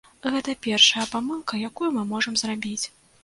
Гэта першая памылка, якую мы можам зрабіць.